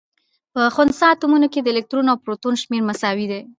په خنثا اتومونو کي د الکترون او پروتون شمېر مساوي. دی